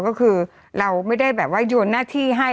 ก็คือเราไม่ได้แบบว่าโยนหน้าที่ให้